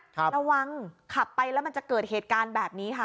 ระวังขับไปแล้วมันจะเกิดเหตุการณ์แบบนี้ค่ะ